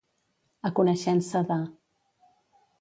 A coneixença de.